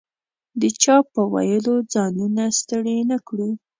د چا په ویلو ځانونه ستړي نه کړو.